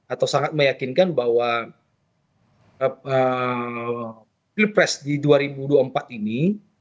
atau sangat meyakinkan bahwa pilpres di dua ribu dua puluh empat ini